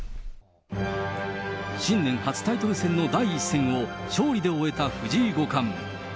新年初タイトル戦の第１戦を勝利で終えた藤井五冠。